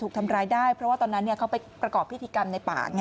ทำร้ายได้เพราะว่าตอนนั้นเขาไปประกอบพิธีกรรมในป่าไง